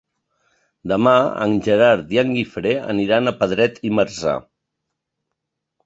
Demà en Gerard i en Guifré aniran a Pedret i Marzà.